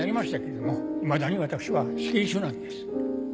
いまだに私は死刑囚なんです。